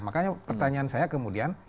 makanya pertanyaan saya kemudian